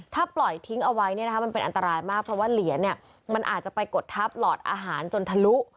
ถ้าปล่อยทิ้งเอาไว้มันเป็นอันตรายมากเพราะว่าเหรียญมันอาจจะไปกดทับหลอดอาหารจนทะลุ